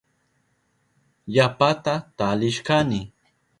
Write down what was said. Yapata talishkani.